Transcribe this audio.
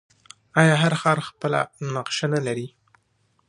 آیا هر ښار خپله نقشه نلري؟